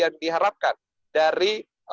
yang diharapkan dari